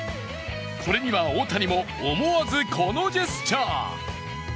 これには大谷も、思わずこのジェスチャー。